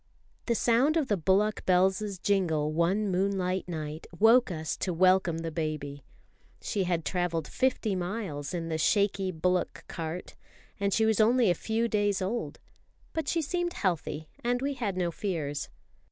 The sound of the bullock bells' jingle one moonlight night woke us to welcome the baby. She had travelled fifty miles in the shaky bullock cart, and she was only a few days old; but she seemed healthy, and we had no fears.